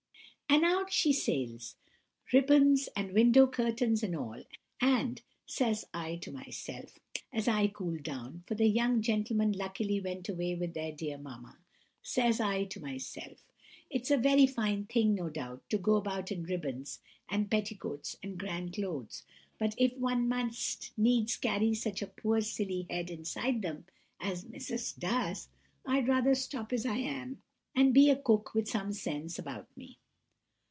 "And out she sails, ribbons and window curtains and all; and, says I to myself, as I cooled down, (for the young gentlemen luckily went away with their dear mama,)—says I to myself, 'It's a very fine thing, no doubt, to go about in ribbons, and petticoats, and grand clothes; but, if one must needs carry such a poor, silly head inside them, as Missus does, I'd rather stop as I am, and be a cook with some sense about me.